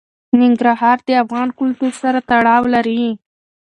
ننګرهار د افغان کلتور سره تړاو لري.